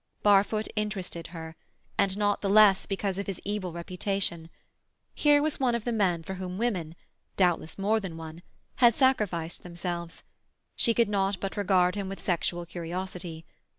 Barfoot interested her, and not the less because of his evil reputation. Here was one of the men for whom women—doubtless more than one—had sacrificed themselves; she could not but regard him with sexual curiosity.